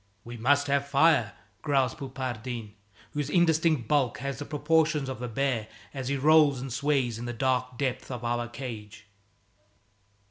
"We must have fire," growls Poupardin, whose indistinct bulk has the proportions of a bear as he rolls and sways in the dark depths of our cage.